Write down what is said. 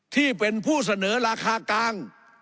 ที่เป็นผู้เสนอราคากลาง